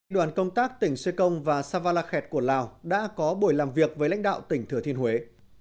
đoàn công tác tỉnh xê công và savalakhet của lào đã có buổi làm việc với lãnh đạo tỉnh thừa thiên huế